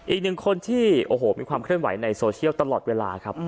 อีกหนึ่งคนที่โอ้โหมีความเคลื่อนไหวในโซเชียลตลอดเวลาครับ